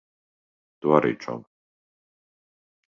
Tu arī, čom.